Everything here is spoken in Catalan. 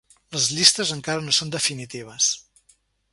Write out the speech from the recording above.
La llistes encara no són definitives.